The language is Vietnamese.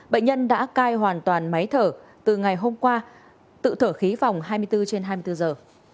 bệnh nhân đã cai hoàn toàn máy thở từ ngày hôm qua tự thở khí phòng hai mươi bốn trên hai mươi bốn giờ